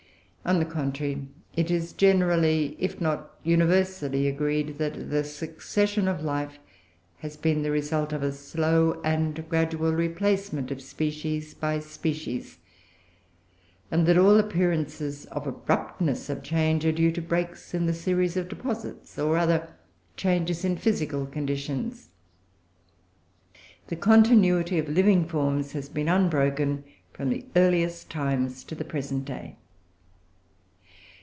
On the contrary, it is generally, if not universally, agreed that the succession of life has been the result of a slow and gradual replacement of species by species; and that all appearances of abruptness of change are due to breaks in the series of deposits, or other changes in physical conditions. The continuity of living forms has been unbroken from the earliest times to the present day.